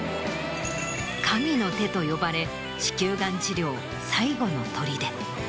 神の手と呼ばれ子宮がん治療最後の砦。